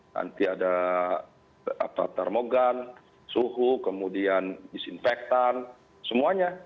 nanti ada termogan suhu kemudian disinfektan semuanya